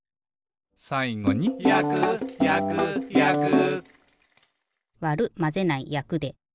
さいごに「やくやくやく」わるまぜないやくで。